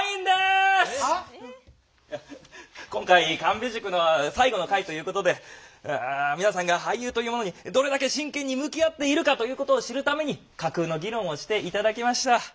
今回神戸塾の最後の回ということで皆さんが俳優というものにどれだけ真剣に向き合っているかということを知るために架空の議論をして頂きました。